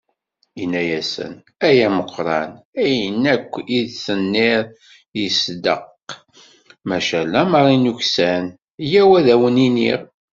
Yenna-asen: "Ay ameqqran, ayen akk i d-tenniḍ yesdeq, maca lemmer i nuksan, yyaw ad awen-iniɣ."